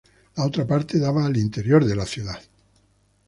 La otra parte daba al interior de la ciudad.